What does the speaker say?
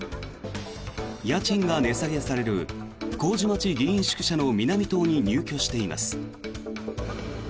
家賃が値下げされる麹町議員宿舎の南棟に入居しています。